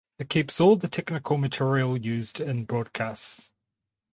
It keeps all the technical material used in broadcasts.